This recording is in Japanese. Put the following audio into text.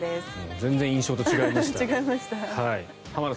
全然印象と違いましたね。